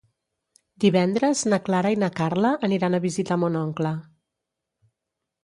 Divendres na Clara i na Carla aniran a visitar mon oncle.